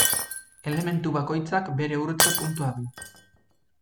Elementu bakoitzak bere urtze-puntua du.